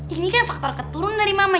ini kan faktor keturunan dari mama